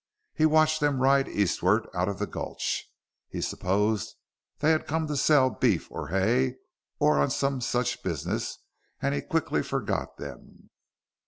He watched them ride eastward out of the gulch. He supposed they had come to sell beef or hay, or on some such business, and he quickly forgot them.